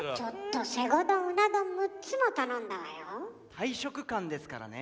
大食漢ですからね。